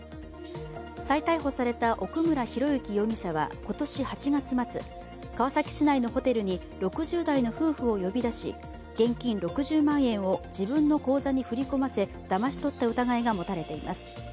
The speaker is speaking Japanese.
再逮捕された奥村啓志容疑者は今年８月末川崎市内のホテルに６０代の夫婦を呼び出し現金６０万円を自分の口座に振り込ませ、だまし取った疑いが持たれています。